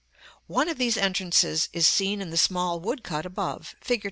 One of these entrances is seen in the small woodcut above, Fig.